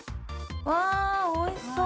うわぁおいしそう！